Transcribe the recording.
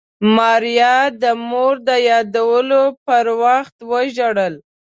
ماريا د مور د يادولو په وخت وژړل.